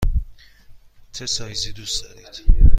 چه سایزی دوست دارید؟